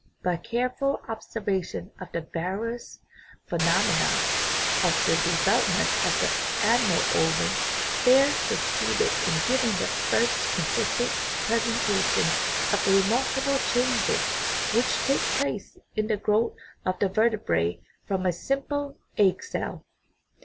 By careful ob servation of the various phenomena of the development of the animal ovum Baer succeeded in giving the first consistent presentation of the remarkable changes which take place in the growth of the vertebrate from a simple egg cell.